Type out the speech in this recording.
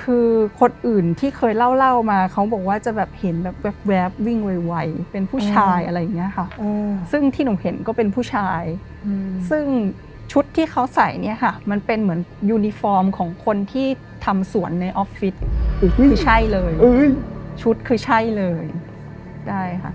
คือคนอื่นที่เคยเล่ามาเขาบอกว่าจะแบบเห็นแบบแว๊บวิ่งไวเป็นผู้ชายอะไรอย่างนี้ค่ะซึ่งที่หนูเห็นก็เป็นผู้ชายซึ่งชุดที่เขาใส่เนี่ยค่ะมันเป็นเหมือนยูนิฟอร์มของคนที่ทำสวนในออฟฟิศคือใช่เลยชุดคือใช่เลยได้ค่ะ